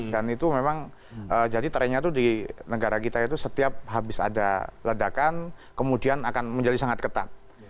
dan itu memang jadi trennya itu di negara kita itu setiap habis ada ledakan kemudian akan menjadi sangat ketat